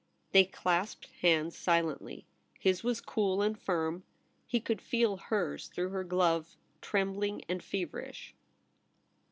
They clasped hands silently. His was cool and firm. He could feel hers through her glove trembling and feverish.